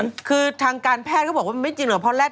อ๋อนึกว่าหนออ๋อตุเล